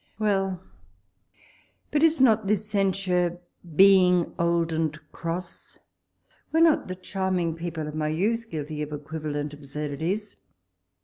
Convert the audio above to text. Well ! but is not this censure being old and cross ? were not the charming people of my youth guilty of equivalent absurdities